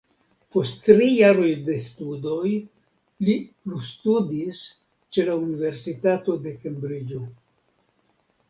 Post tri jaroj de studoj li plustudis ĉe la Universitato de Kembriĝo.